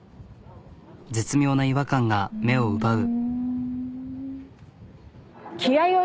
絶妙な違和感が目を奪う。